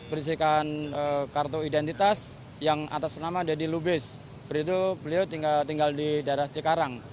berisikan kartu identitas yang atas nama deddy lubis beritu beliau tinggal di daerah cekarang